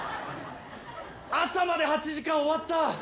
朝まで８時間終わった。